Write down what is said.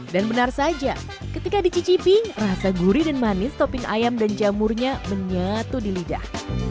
dan benar saja ketika dicicipi rasa gurih dan manis topping ayam dan jamurnya menyatu di lidah